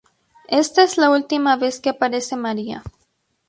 Esta es la última vez que aparece María.